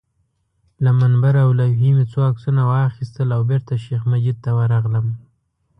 له منبر او لوحې مې څو عکسونه واخیستل او بېرته شیخ مجید ته ورغلم.